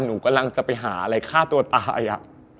หนูกำลังจะไปหาอะไรฆ่าตัวตาย